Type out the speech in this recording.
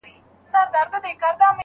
احتکار د هېواد اقتصاد له منځه وړي.